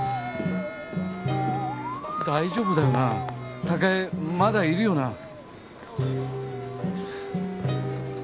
「大丈夫だよな？貴恵まだいるよな？」